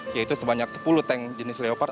yaitu sebanyak sepuluh tank jenis leopar